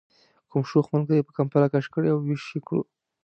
کوم شوخ ملګري به کمپله کش کړې او ویښ یې کړو.